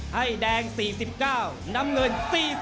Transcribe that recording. ให้แดง๔๙น้ำเงิน๔๐